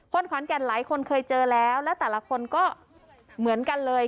ขอนแก่นหลายคนเคยเจอแล้วและแต่ละคนก็เหมือนกันเลย